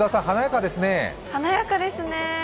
華やかですね